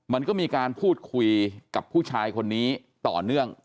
มันก็มีการพูดคุยกับผู้ชายคนนี้ต่อเนื่อง